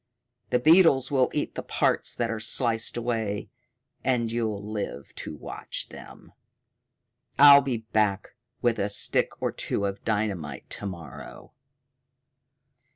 The beetles will eat the parts that are sliced away and you'll live to watch them. I'll be back with a stick or two of dynamite to morrow."